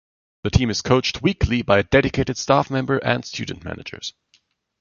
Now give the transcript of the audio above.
The team is coached weekly by a dedicated staff member and student managers.